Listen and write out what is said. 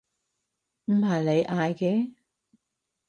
唔係你嗌嘅？